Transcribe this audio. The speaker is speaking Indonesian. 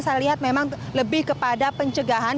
saya lihat memang lebih kepada pencegahan